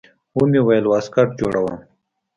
ومې ويل واسکټ جوړوم.